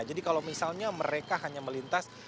jadi kalau misalnya mereka hanya melintas